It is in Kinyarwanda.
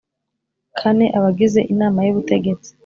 kane Abagize inama y ubutegetsi